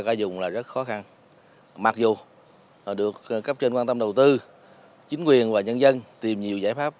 cả dùng là rất khó khăn mặc dù được cấp trên quan tâm đầu tư chính quyền và nhân dân tìm nhiều giải pháp